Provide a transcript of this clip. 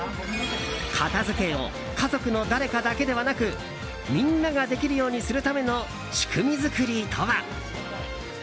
片付けを家族の誰かだけではなくみんなができるようにするための仕組み作りとは？